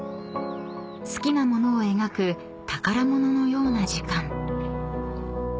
［好きな物を描く宝物のような時間］